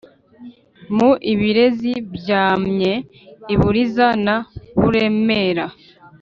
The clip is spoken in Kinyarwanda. muri ibirezi byamye i buriza na buremera